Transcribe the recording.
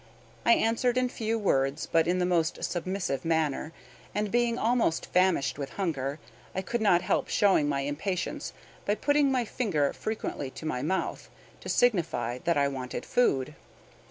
I answered in few words, but in the most submissive manner; and, being almost famished with hunger, I could not help showing my impatience by putting my finger frequently to my mouth, to signify that I wanted food.